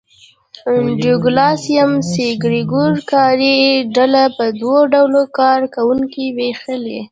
ډوګلاس اېم سي ګرېګور کاري ډله په دوه ډوله کار کوونکو وېشلې.